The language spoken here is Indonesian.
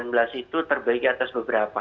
yang pertama adalah asimptomatik atau tidak bergejala